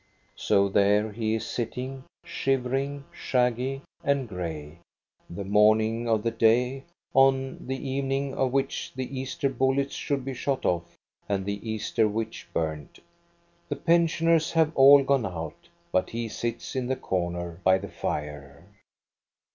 So there he is sitting, shivering, shaggy, and gray, the morning of the day, on the evening of which the Easter bullets should be shot off and the Easter witch "till COUSIN CHRISTOPHER 249 urned. The pensioners have all gone out ; but he sits in the corner by the fire.